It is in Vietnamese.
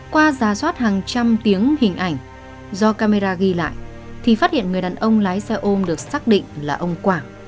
qua giả soát hàng trăm tiếng hình ảnh do camera ghi lại thì phát hiện người đàn ông lái xe ôm được xác định là ông quảng